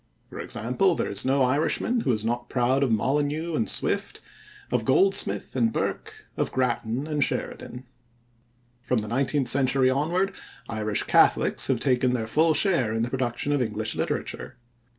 For example, there is no Irishman who is not proud of Molyneux and Swift, of Goldsmith and Burke, of Grattan and Sheridan. From the nineteenth century onward Irish Catholics have taken their full share in the production of English literature.